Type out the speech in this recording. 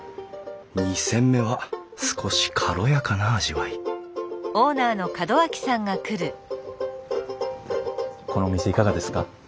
２煎目は少し軽やかな味わいこの店いかがですか？